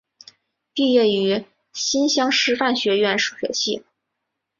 毕业于新乡师范学院数学系。